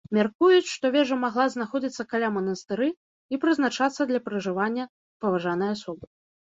Мяркуюць, што вежа магла знаходзіцца каля манастыры і прызначацца для пражывання паважанай асобы.